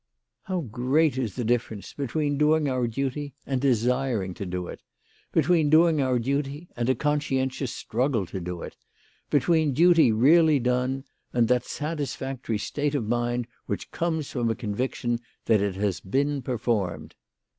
TTOW great is the difference between doing our duty and desiring to do it ; between doing our duty and a conscientious struggle to do it ; between duty really done and that satisfactory state of mind which comes from a conviction that it has been performed.